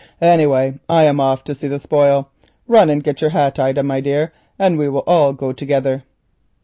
Anyway, I'm off to see the spoil. Run and get your hat, Ida, my dear, and we will all go together."